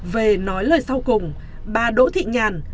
về nói lời sau cùng bà đỗ thị nhàn